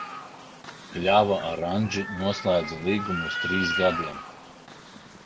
"Kļava ar "Anži" noslēdza līgumu uz trīs gadiem."